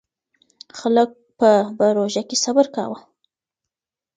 خلک به په روژه کې صبر کاوه.